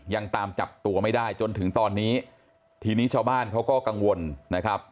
ยังตามจับตัวไม่ได้จนถึงตอนนี้ทีนี้ชาวบ้านเขาก็กังวลนะครับ